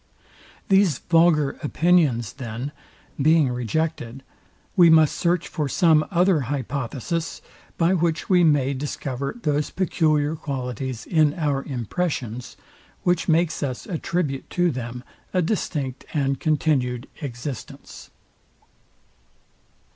These vulgar opinions, then, being rejected, we must search for some other hypothesis, by which we may discover those peculiar qualities in our impressions, which makes us attribute to them a distinct and continued existence.